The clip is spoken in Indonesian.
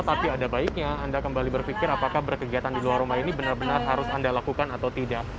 tapi ada baiknya anda kembali berpikir apakah berkegiatan di luar rumah ini benar benar harus anda lakukan atau tidak